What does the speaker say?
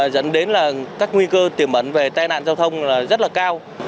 dẫn đến là các nguy cơ tiềm ẩn về tai nạn giao thông là rất là cao